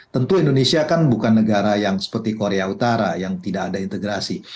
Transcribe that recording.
tentu indonesia kan bukan negara yang seperti korea utara yang tidak ada integrasi